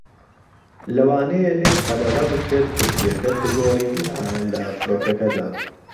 لەوانەیە لێت قەدەغە بکرێت کورسیەکەت بگۆڕیت لە لە فڕۆکەکەدا.